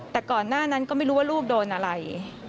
แต่ก่อนหน้านั้นก็ไม่รู้ว่าลูกโดนอะไร